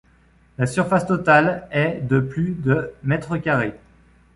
La surface totale est de plus de mètres carrés.